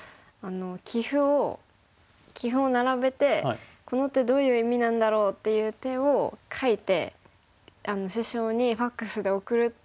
棋譜を棋譜を並べて「この手どういう意味なんだろう？」っていう手を書いて師匠にファックスで送るっていうのを。